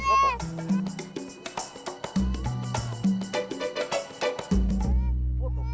sampai jumpa lagi